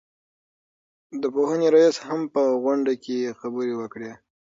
د پوهنې رئيس هم په غونډه کې خبرې وکړې.